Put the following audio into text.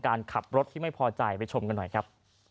การขับรถที่ไม่พอใจไปชมกันหน่อยครับ